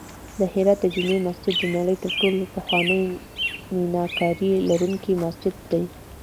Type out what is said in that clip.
د هرات د جمعې مسجد د نړۍ تر ټولو پخوانی میناکاري لرونکی مسجد دی